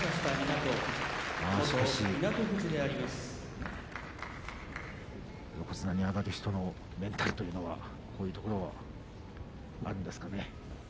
しかし横綱に上がる人のメンタルというのはなんというんですかね。